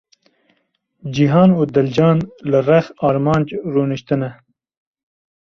Cîhan û Dilcan li rex Armanc rûniştine.